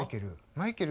マイケル。